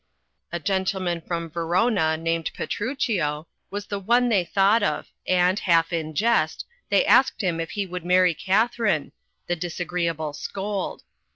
A gentleman from Verona, named Petruchio, was the one they thought of, and, half in jest, they asked him if he would marry Katharine, the disagreeable scold.